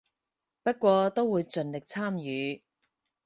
不過都會盡力參與